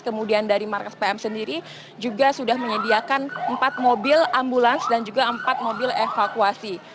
kemudian dari markas pm sendiri juga sudah menyediakan empat mobil ambulans dan juga empat mobil evakuasi